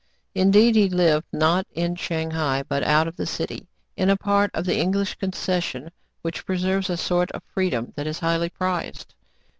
Indeed, he lived, not in Shang hai, but out of the city, in a part of the English concession, which preserves a sort of freedom that is highly prized.